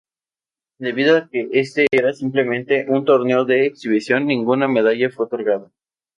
Debido a que este era simplemente un torneo de exhibición, ninguna medalla fue otorgada.